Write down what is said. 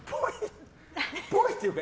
っぽいっていうか